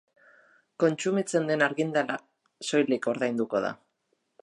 Kontsumitzen den argindarra soilik ordainduko da.